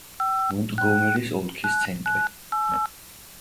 მონტგომერის ოლქის ცენტრი.